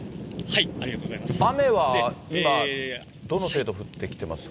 雨は今、どの程度降ってきていますか。